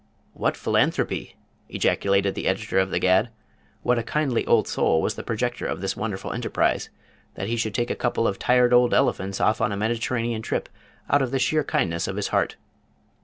"What philanthropy!" ejaculated the editor of The Gad. What a kindly old soul was the projector of this wonderful enterprise, that he should take a couple of tired old elephants off on a Mediterranean trip out of the sheer kindness of his heart!